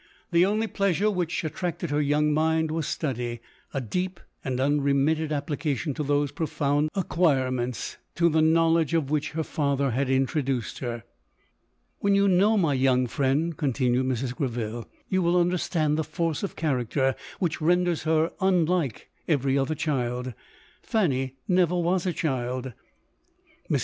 The only pleasure which attracted her young mind was study — a deep and unremitted application to those profound acquirements, to theknowledge of which her father had introduced her. " When you know my young friend, 11 con tinued Mrs. Greville, " you will understand the force of character which renders her unlike every other child. Fanny never was a child. Mrs.